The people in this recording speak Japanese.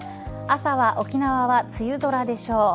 朝は沖縄は梅雨空でしょう。